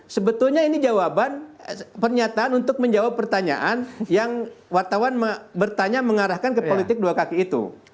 sebetulnya ini jawaban pernyataan untuk menjawab pertanyaan yang wartawan bertanya mengarahkan ke politik dua kaki itu